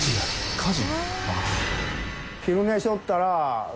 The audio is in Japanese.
火事？